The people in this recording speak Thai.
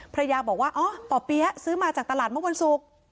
ภรรยาบอกว่าอ๋อป่อเปี๊ยะซื้อมาจากตลาดเมื่อวันศุกร์